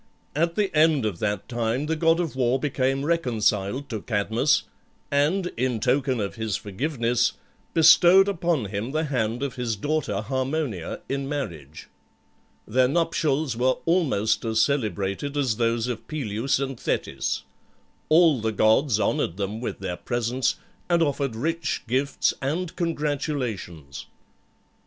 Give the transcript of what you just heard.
At the end of that time the god of war became reconciled to Cadmus, and, in token of his forgiveness, bestowed upon him the hand of his daughter Harmonia in marriage. Their nuptials were almost as celebrated as those of Peleus and Thetis. All the gods honoured them with their presence, and offered rich gifts and congratulations.